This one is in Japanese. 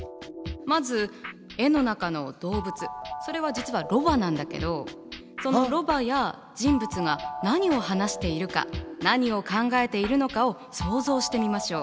まず絵の中の動物それは実はロバなんだけどそのロバや人物が何を話しているか何を考えているのかを想像してみましょう。